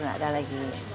nggak ada lagi